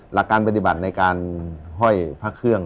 หลักการปฏิบัติในการห้อยพระเครื่อง